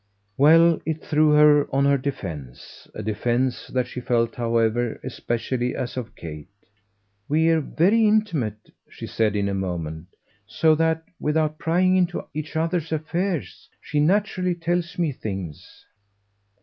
Well, it threw her on her defence a defence that she felt, however, especially as of Kate. "We're very intimate," she said in a moment; "so that, without prying into each other's affairs, she naturally tells me things."